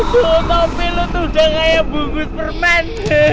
tuh topi lu tuh udah kayak bungkus permen